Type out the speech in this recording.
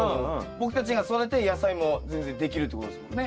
僕たちが育てたい野菜も全然できるってことですもんね。